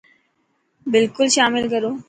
بلڪل شامل ڪرو.